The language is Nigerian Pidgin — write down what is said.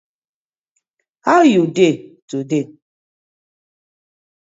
How you dey today?